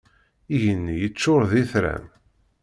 Igenni yeččur d itran.